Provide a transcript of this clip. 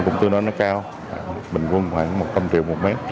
công tư nói nó cao bình quân khoảng một trăm linh triệu một m